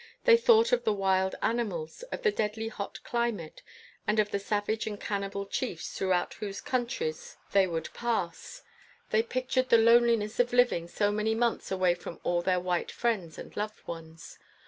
They thought of the wild animals, of the deadly hot climate, and of the savage and cannibal chiefs through whose countries they would 20 INTERVIEW WITH A BLACK KING pass. They pictured the loneliness of liv ing so many months away from all their white friends and loved ones.